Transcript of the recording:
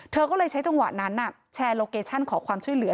เธอก็เลยใช้จังหวะนั้นแชร์โลเคชั่นขอความช่วยเหลือ